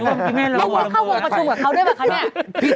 แล้วไม่เข้าวงประชุมกับเขาด้วยเหมือนคะเนี่ย